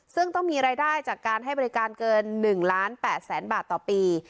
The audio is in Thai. ซึ่งต้องมีรายได้จากการให้บริการเกิน๑ล้าน๘แสนบาทต่อปี